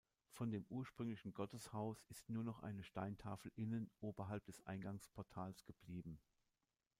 Von dem ursprünglichen Gotteshaus ist nur noch eine Steintafel innen oberhalb des Eingangsportals geblieben.